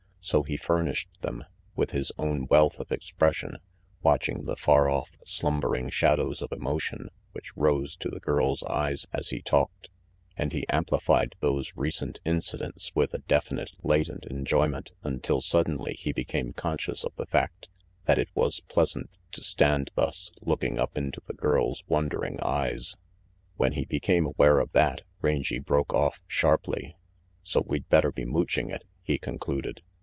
So he furnished them, with his own wealth of expression, watching the far off slumbering shadows of emotion which rose to the girl's eyes as he talked; and he amplified those recent incidents with a definite latent enjoy ment until suddenly he became conscious of the fact that it was pleasant to stand thus, looking up into the girl's wondering eyes. When he became aware of that, Rangy broke off sharply. "So we'd better be mooching it," he concluded.